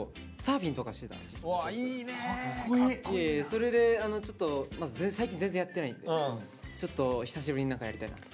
それでちょっと最近全然やってないんでちょっと久しぶりに何かやりたいなと。